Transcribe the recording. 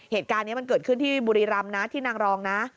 เหตุการณ์นี้มันเกิดขึ้นที่บุรีรำนะที่นางรองนะ